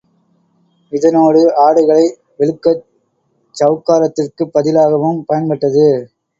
இதனோடு ஆடைகளை வெளுக்கச் சவுக்காரத்திற்குப் பதிலாகவும் பயன்பட்டது.